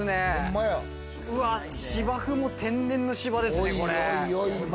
芝生も天然の芝ですね。